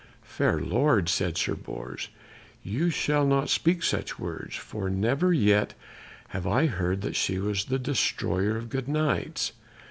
"Fair lords," said Sir Bors, "you shall not speak such words, for never yet have I heard that she was the destroyer of good Knights.